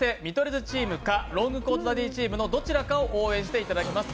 図チームか、ロングコートダディチームのどちらかを応援していただきます。